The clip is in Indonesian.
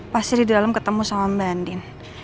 pasti di dalam ketemu sama andin